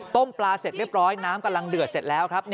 ต้มปลาเสร็จเรียบร้อยน้ำกำลังเดือดละครับ